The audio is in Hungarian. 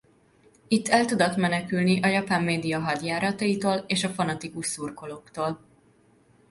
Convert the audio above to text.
Itt el tudott menekülni a japán média hadjárataitól és a fanatikus szurkolóktól.